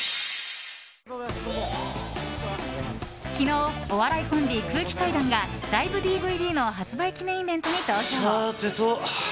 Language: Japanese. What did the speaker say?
昨日、お笑いコンビ空気階段がライブＤＶＤの発売記念イベントに登場。